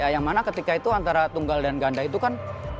yang mana ketika itu antara tunggal dan ganda itu kan